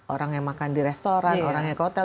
orang yang makan di restoran orang yang ke hotel